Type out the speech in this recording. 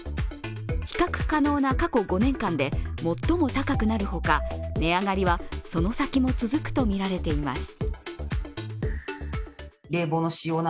比較可能な過去５年間で最も高くなるほか値上がりは、その先も続くとみられています。